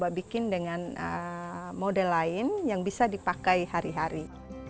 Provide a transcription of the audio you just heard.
bisa dibikin dengan model lain yang bisa dipakai hari hari